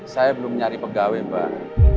saya belum nyari pegawai mbak